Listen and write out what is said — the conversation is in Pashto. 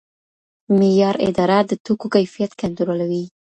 معیار اداره د توکو کیفیت کنټرولوي.